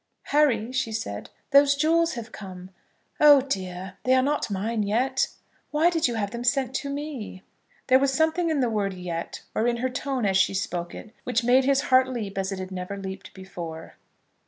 "Harry," she said, "those jewels have come. Oh, dear. They are not mine yet. Why did you have them sent to me?" There was something in the word yet, or in her tone as she spoke it, which made his heart leap as it had never leaped before.